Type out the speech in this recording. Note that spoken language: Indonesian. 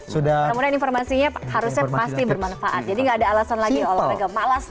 namun informasinya harusnya pasti bermanfaat jadi enggak ada alasan lagi